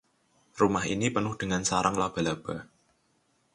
Rumah ini penuh dengan sarang laba-laba.